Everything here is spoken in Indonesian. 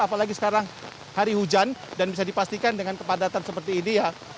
apalagi sekarang hari hujan dan bisa dipastikan dengan kepadatan seperti ini ya